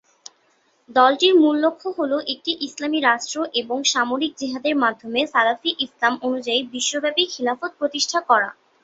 দলটির মূল লক্ষ্য হল একটি ইসলামী রাষ্ট্র এবং সামরিক জিহাদের মাধ্যমে সালাফি ইসলাম অনুযায়ী বিশ্বব্যাপী খিলাফত প্রতিষ্ঠা করা।